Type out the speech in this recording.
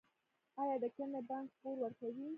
آیا د کرنې بانک پور ورکوي؟